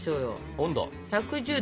温度？